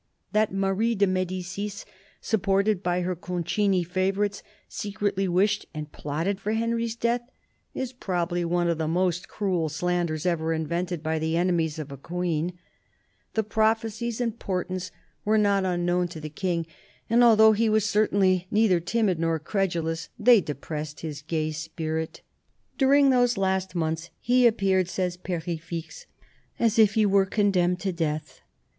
That Marie de Mddicis, supported by her Concini favourites, secretly wished and plotted for Henry's death, is probably one of the most cruel slanders ever invented by the enemies of a queen. The prophecies and portents were not unknown to THE BISHOP OF LUgON 55 the King, and although he was certainly neither timid nor credulous, they depressed his gay spirit. During those last months he appeared, says Perefixe, " as if he were con demned to death."